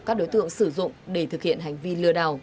các đối tượng sử dụng để thực hiện hành vi lừa đảo